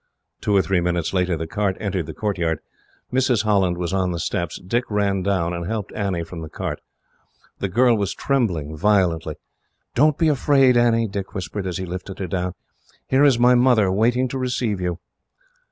Two or three minutes later, the cart entered the courtyard. Mrs. Holland was on the steps. Dick ran down, and helped Annie from the cart. The girl was trembling violently. "Don't be afraid, Annie," Dick whispered, as he lifted her down. "Here is my mother, waiting to receive you.